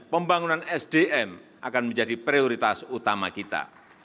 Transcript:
pembangunan sdm akan menjadi prioritas utama kita